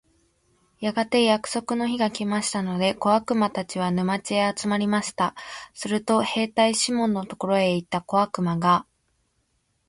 やがて約束の日が来ましたので、小悪魔たちは、沼地へ集まりました。すると兵隊シモンのところへ行った小悪魔が、